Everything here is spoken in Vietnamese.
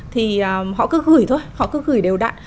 thì họ cứ gửi thôi họ cứ gửi đều đặn